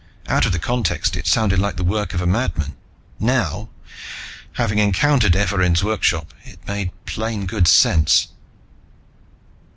_" Out of the context it sounded like the work of a madman. Now, having encountered Evarin's workshop, it made plain good sense.